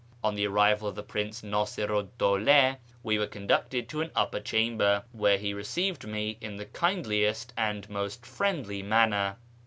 On the arrival of Prince Nasiru 'd Dawla we were conducted to an upper chamber, where he received me in the kindliest and most friendly manner.